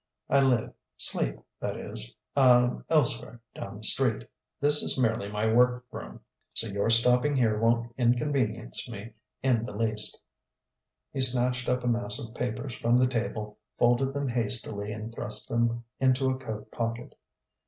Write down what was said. I live sleep, that is ah elsewhere down the street. This is merely my work room. So your stopping here won't inconvenience me in the least...." He snatched up a mass of papers from the table, folded them hastily and thrust them into a coat pocket.